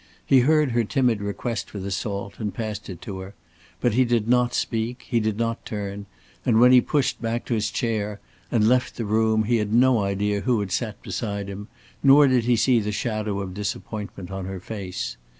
He heard her timid request for the salt, and passed it to her; but he did not speak, he did not turn; and when he pushed back his chair and left the room, he had no idea who had sat beside him, nor did he see the shadow of disappointment on her face.